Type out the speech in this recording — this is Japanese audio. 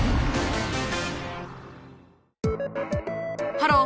ハロー！